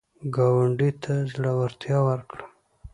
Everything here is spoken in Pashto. ګاونډي ته زړورتیا ورکړه